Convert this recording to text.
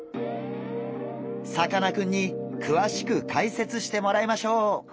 さかなクンにくわしく解説してもらいましょう！